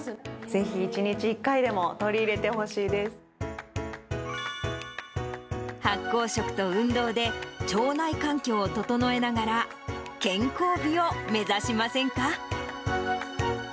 ぜひ１日１回でも、取り入れ発酵食と運動で、腸内環境を整えながら、健康美を目指しませんか？